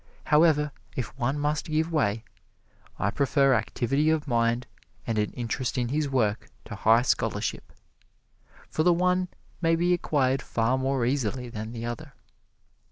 However, if one must give way, I prefer activity of mind and an interest in his work to high scholarship; for the one may be acquired far more easily than the other.